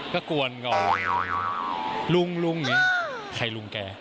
ก็กวนก่อนลุงลุงเนี่ยใครลุงแก